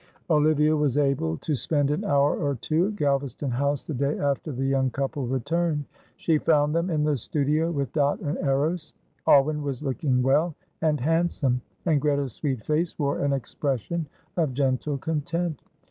Olivia was able to spend an hour or two at Galvaston House the day after the young couple returned. She found them in the studio with Dot and Eros. Alwyn was looking well and handsome, and Greta's sweet face wore an expression of gentle content.